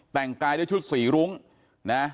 แต่งกายด้วยชุดสีรุ้งนะ